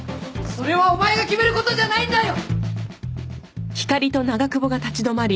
それはお前が決める事じゃないんだよ！！